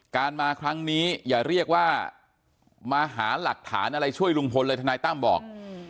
การมาครั้งนี้อย่าเรียกว่ามาหาหลักฐานอะไรช่วยลุงพลเลยทนายตั้มบอก